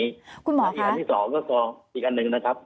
คุณหมออีกอันที่สองก็ซองอีกอันหนึ่งนะครับ